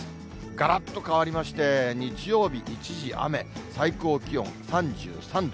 がらっと変わりまして、日曜日、一時雨、最高気温３３度。